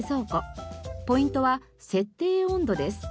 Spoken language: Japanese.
ポイントは設定温度です。